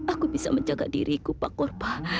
aku bisa menjaga diriku pak korpa